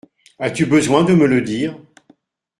As-tu besoin de me le dire ?